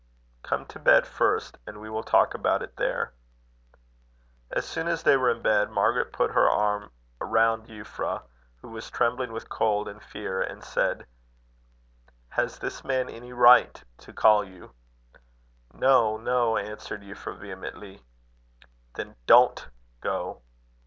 "Come to bed first, and we will talk about it there." As soon as they were in bed, Margaret put her arm round Euphra, who was trembling with cold and fear, and said: "Has this man any right to call you?" "No, no," answered Euphra, vehemently. "Then don't go."